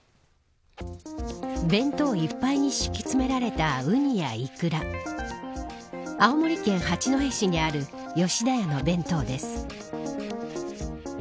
弁当いっぱいに敷き詰められたウニやイクラ青森県八戸市にある吉田屋の弁当です。